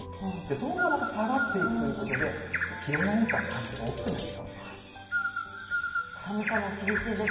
その後はまた下がっていくということで、気温の変化、かなり大きくなりそうです。